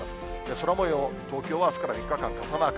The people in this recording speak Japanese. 空もよう、東京はあすから３日間傘マーク。